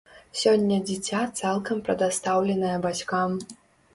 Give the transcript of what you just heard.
Сёння дзіця цалкам прадастаўленае бацькам.